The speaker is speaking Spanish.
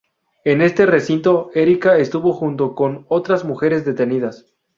En este recinto Erika estuvo junto con otras mujeres detenidas.